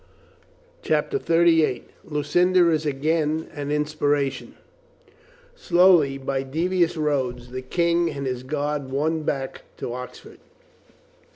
CHAPTER THIRTY EIGHT LUCINDA IS AGAIN AN INSPIRATION SLOWLY, by devious roads, the King and his guard won back to Oxford.